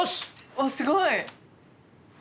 おっすごい。